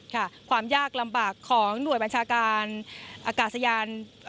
ความยากลำบากของหน่วยบัญชาการอากาศยาน